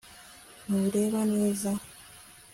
ntureba neza